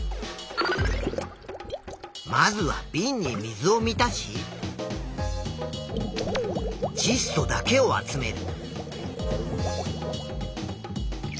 まずはびんに水を満たしちっ素だけを集める。